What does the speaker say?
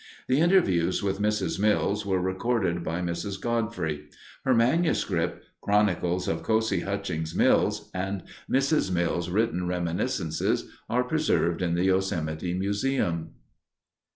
The interviews with Mrs. Mills were recorded by Mrs. Godfrey. Her manuscript, "Chronicles of Cosie Hutchings Mills," and Mrs. Mills' written reminiscences are preserved in the Yosemite Museum.